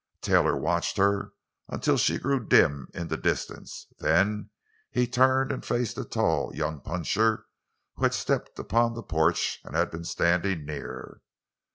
Taylor watched her until she grew dim in the distance; then he turned and faced the tall young puncher, who had stepped upon the porch and had been standing near.